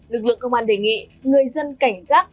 lực lượng công an đề nghị người dân cảnh giác